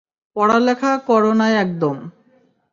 পড়ালেখা করো নাই একদম?